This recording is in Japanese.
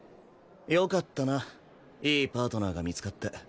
よかったないいパートナーが見つかって。